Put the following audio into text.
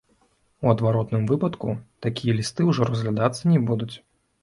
У адваротным выпадку такія лісты ужо разглядацца не будуць.